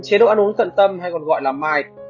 chế độ ăn uống cận tâm hay còn gọi là mite